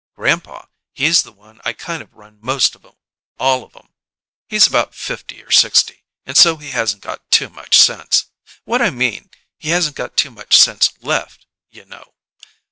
"Grandpa, he's the one I kind of run most of all of 'em. He's about fifty or sixty, and so he hasn't got too much sense. What I mean, he hasn't got too much sense left, you know.